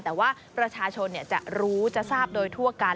แต่ว่าประชาชนจะรู้จะทราบโดยทั่วกัน